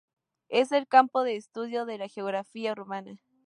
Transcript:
Es el campo de estudio de la geografía urbana.